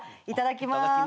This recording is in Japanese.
いただきます。